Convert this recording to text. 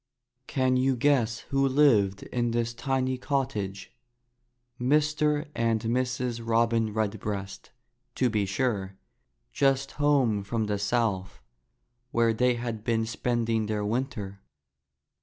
Can you guess who lived in this tiny cot tage? Mr. and Mrs. Robin Redbreast, to be sure, just home from the south, where they had been spending their winter.